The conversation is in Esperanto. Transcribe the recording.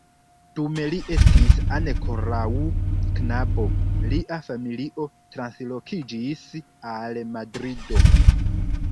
Dum li estis ankoraŭ knabo, lia familio translokiĝis al Madrido.